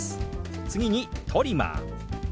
次に「トリマー」。